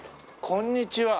こんにちは！